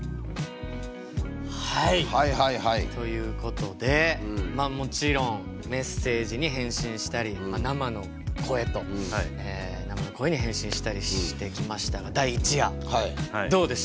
はいということでまあもちろんメッセージに返信したり生の声と生の声に返信したりしてきましたが第一夜どうでしたか？